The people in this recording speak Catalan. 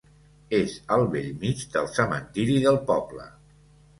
És al bell mig del cementiri del poble.